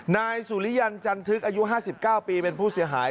นายสุริยันจันทึกอายุ๕๙ปีเป็นผู้เสียหาย